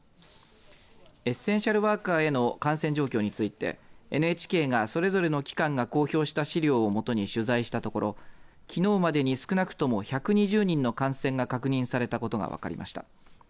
エッセンシャルワーカーへの感染状況についてＮＨＫが、それぞれの機関が公表した資料をもとに取材したところきのうまでに少なくとも１２０人の感染が確認されたことが分かりました。